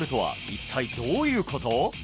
一体どういうこと？